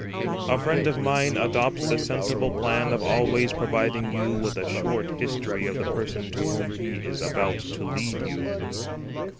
A friend of mine adopts the sensible plan of always providing you with a short history of the person to whom he is about to lead you.